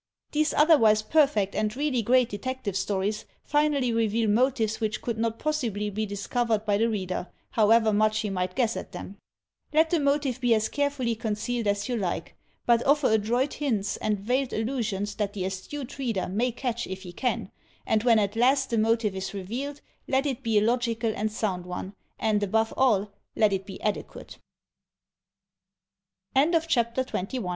These, otherwise perfect and really great detective stories, finally reveal motives which could not possibly be discovered by the reader, however much he might guess at them. THE MOTIVE 253 Let the motive be as carefully concealed as you like, but offer adroit hints and veiled allusions that the astute reader may catch if he can, and when at last the motive is revealed, let it be a logical and sound one, and,